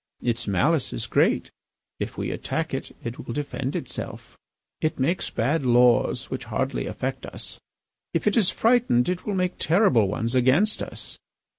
Its malice is great; if we attack it, it will defend itself. It makes bad laws which hardly affect us; if it is frightened it will make terrible ones against us.